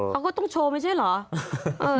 เขาก็ต้องโชว์ไม่ใช่เหรอ